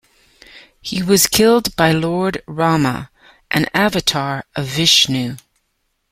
He was killed by Lord Rama, an Avatar of Vishnu.